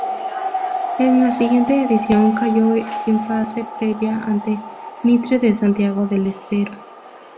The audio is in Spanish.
En la siguiente edición cayó en fase previa ante Mitre de Santiago del Estero.